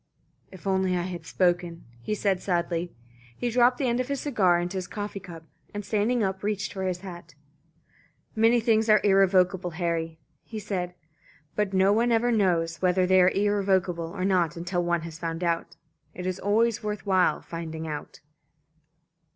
"If only I had spoken," he said sadly. He dropped the end of his cigar into his coffee cup, and standing up, reached for his hat. "Many things are irrevocable, Harry," he said, "but one never knows whether they are irrevocable or not until one has found out. It is always worth while finding out."